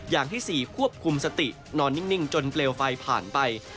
อย่างที่๔ควบคุมสตินอนนิ่งจนเปลวไฟผ่านไป